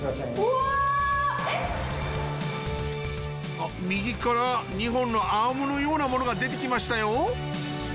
あっ右から２本のアームのようなものが出てきましたよ